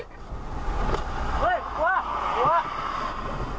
เฮ้ยหัว